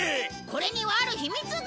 これにはある秘密が！